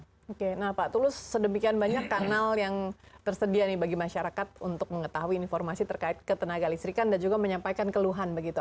oke nah pak tulus sedemikian banyak kanal yang tersedia nih bagi masyarakat untuk mengetahui informasi terkait ketenaga listrikan dan juga menyampaikan keluhan begitu